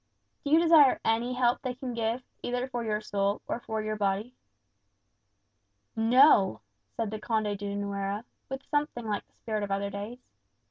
"Do you desire any help they can give, either for your soul or for your body?" "No," said the Conde de Nuera, with something like the spirit of other days.